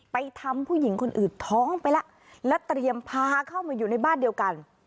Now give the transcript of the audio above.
ไปทำผู้หญิงคนอื่นท้องไปแล้วและเตรียมพาเข้ามาอยู่ในบ้านเดียวกัน